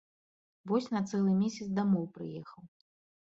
Вось на цэлы месяц дамоў прыехаў.